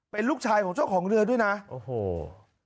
เป็นลูกชายของเจ้าของเรือด้วยนะโอ้โห